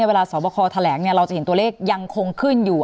เวลาสอบคอแถลงเราจะเห็นตัวเลขยังคงขึ้นอยู่